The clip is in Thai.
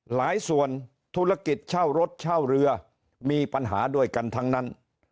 หลายส่วนธุรกิจเช่ารถเช่าเรือมีปัญหาด้วยกันทั้งนั้น